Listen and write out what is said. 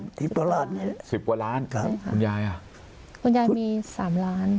สิบกว่าล้านสิบกว่าล้านค่ะคุณยายอ่ะคุณยายมีสามล้าน